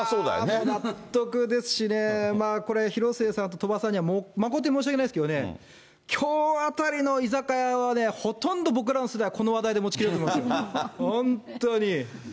いやー、納得ですしね、まあこれ、広末さんと鳥羽さんには誠に申し訳ないですよね、きょうあたりの居酒屋はね、ほとんど僕らの世代、この話題で持ちきりですよ、本当に。